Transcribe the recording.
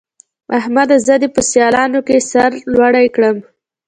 احمده! زه دې په سيالانو کې سر لوړی کړم.